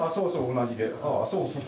同じで。